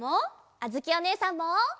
あづきおねえさんも！